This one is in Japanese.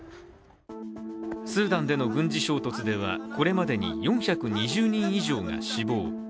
スーダンでの軍事衝突では、これまでに４２０人以上が死亡。